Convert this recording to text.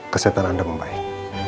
kesehatan anda membaik